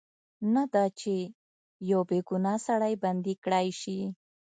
نه دا چې یو بې ګناه سړی بندي کړای شي.